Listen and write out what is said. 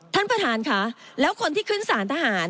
ท่านประธานค่ะแล้วคนที่ขึ้นสารทหาร